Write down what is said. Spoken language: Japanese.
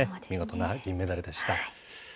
見事な銀メダルでした。